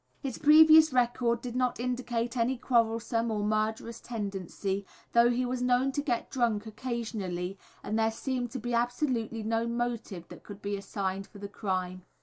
His previous record did not indicate any quarrelsome or murderous tendency, though he was known to get drunk occasionally; and there seemed to be absolutely no motive that could be assigned for the crime.